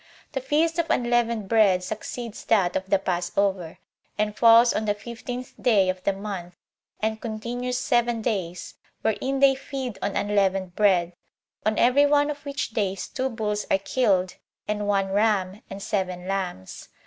The feast of unleavened bread succeeds that of the passover, and falls on the fifteenth day of the month, and continues seven days, wherein they feed on unleavened bread; on every one of which days two bulls are killed, and one ram, and seven lambs.